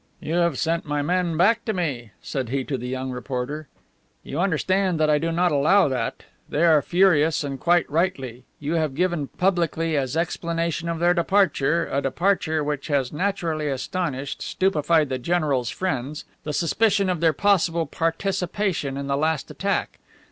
"You have sent my men back to me," said he to the young reporter. "You understand that I do not allow that. They are furious, and quite rightly. You have given publicly as explanation of their departure a departure which has naturally astonished, stupefied the general's friends the suspicion of their possible participation in the last attack.